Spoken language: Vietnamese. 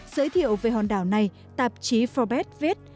giới thiệu về hòn đảo này tạp chí forbes viết